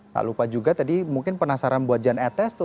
tak lupa juga tadi mungkin penasaran buat jan etes tuh